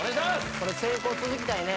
これ成功続きたいね